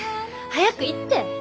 早く行って！